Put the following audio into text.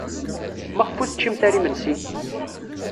Maɣef ur teččimt ara imensi?